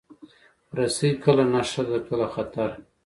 رسۍ کله نښه ده، کله خطر.